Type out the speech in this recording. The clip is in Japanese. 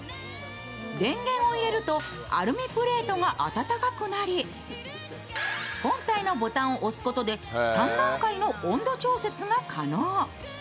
電源を入れるとアルミプレートが温かくなり本体のボタンを押すことで３段階の温度調節が可能。